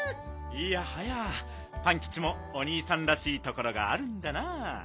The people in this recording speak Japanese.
いやはやパンキチもおにいさんらしいところがあるんだな。